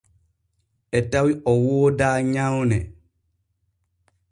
E tawi o wooda nyawne.